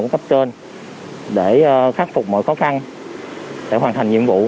cấp trên để khắc phục mọi khó khăn để hoàn thành nhiệm vụ